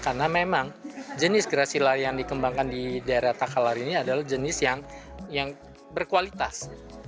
karena memang jenis gracilaria yang dikembangkan di daerah takalar ini adalah jenis yang berkualitas